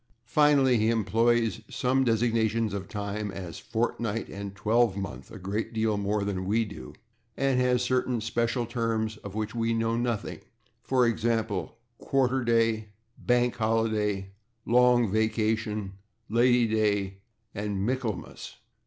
Finally, he employs such designations of time as /fortnight/ and /twelvemonth/ a great deal more than we do, and has certain special terms of which we know nothing, for example, /quarter day/, /bank holiday/, /long vacation/, /Lady Day/ and /Michaelmas